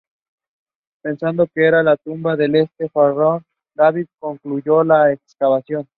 Pensando que era la tumba de este faraón, Davis concluyó la excavación.